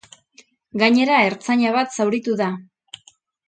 Gainera, ertzaina bat zauritu da.